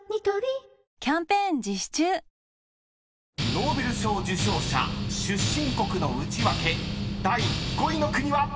［ノーベル賞受賞者出身国のウチワケ第５位の国は⁉］